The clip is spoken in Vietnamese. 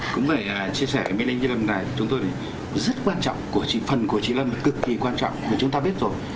cũng phải chia sẻ với mấy anh chị lâm này chúng tôi rất quan trọng phần của chị lâm cực kỳ quan trọng chúng ta biết rồi